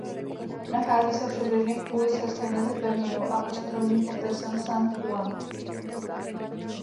Nachází se přibližně v půli cesty mezi pevninou a ostrovním okresem San Juan.